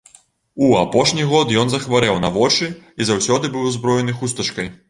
У апошні год ён захварэў на вочы і заўсёды быў узброены хустачкай.